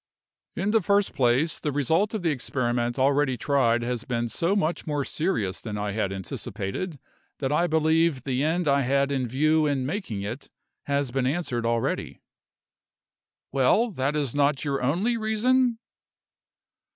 "In the first place, the result of the experiment already tried has been so much more serious than I had anticipated, that I believe the end I had in view in making it has been answered already." "Well; that is not your only reason?"